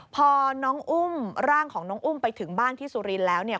พอน้องอุ้มร่างของน้องอุ้มไปถึงบ้านที่สุรินทร์แล้วเนี่ย